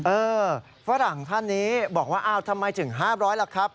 เออฝรั่งท่านนี้บอกว่าอ้าวทำไมถึง๕๐๐ล่ะครับ